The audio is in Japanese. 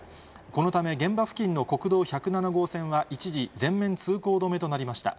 このため、現場付近の国道１０７号線は一時、全面通行止めとなりました。